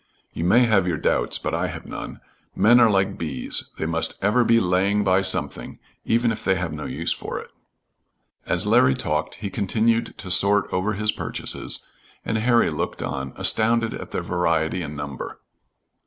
"You may have your doubts, but I have none. Men are like bees; they must ever be laying by something, even if they have no use for it." As Larry talked he continued to sort over his purchases, and Harry looked on, astounded at their variety and number.